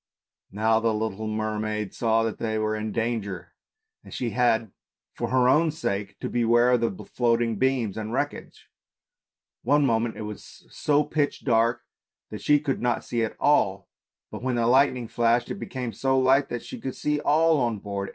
. Now the little mermaid saw that they were in danger and she had for her own sake to beware of the floating beams and wreckage. One moment it was so pitch dark that she could not see at all, but when the lightning flashed it became so light that she could see all on board.